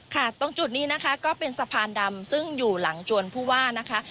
ตรงจุดนี้นะคะก็เป็นสะพานดำซึ่งอยู่หลังจวนผู้ว่านะคะ